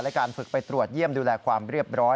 และการฝึกไปตรวจเยี่ยมดูแลความเรียบร้อย